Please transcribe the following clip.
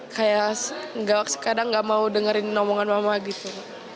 kayak gak kadang gak mau dengerin omongan mama gitu